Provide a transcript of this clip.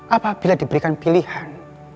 apabila diberikan pilihan